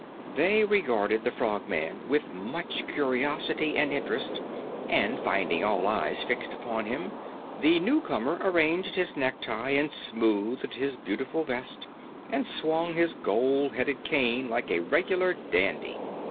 They regarded the Frogman with much curiosity and interest, and finding all eyes fixed upon him, the newcomer arranged his necktie and smoothed his beautiful vest and swung his gold headed cane like a regular dandy.